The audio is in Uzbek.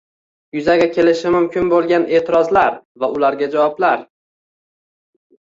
Yuzaga kelishi mumkin bo‘lgan e’tirozlar va ularga javoblar